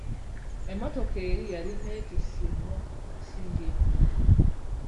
Emmotoka eri yali neetissi nnyo okusinga eno eriwo.